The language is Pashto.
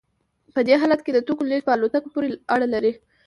په دې حالت کې د توکو لیږد په الوتکه پورې اړه لري